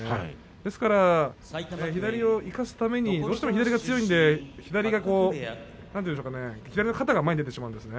ですから左を生かすためにどうしても左が強いんで左の肩が前に出てしまうんですね。